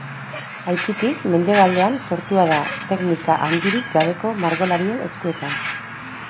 Aitzitik, Mendebaldean sortua da, teknika handirik gabeko margolarien eskuetan.